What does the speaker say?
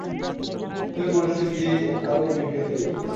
তুমি পরিস্থিতি আরও বিগড়ে দিবে।